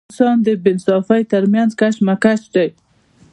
د انسان د بې انصافۍ تر منځ کشمکش دی.